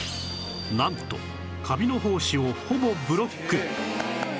なんとカビの胞子をほぼブロック